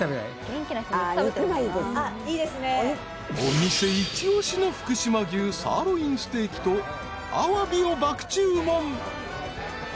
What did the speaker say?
［お店一押しの福島牛サーロインステーキとアワビを爆注文］